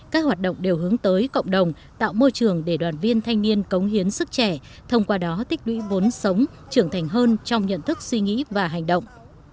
các hoạt động đều hướng tới cộng đồng tạo môi trường để đoàn viên thanh niên cống hiến sức trẻ thông qua đó tích lũy vốn sống trưởng thành hơn trong nhận thức suy nghĩ và hành động